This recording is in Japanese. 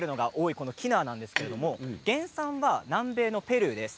このキヌアなんですけど原産は南米のペルーです。。